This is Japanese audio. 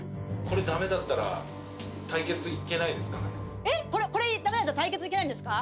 これダメだったら対決行けないんですか？